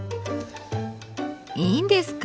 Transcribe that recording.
いいんですか？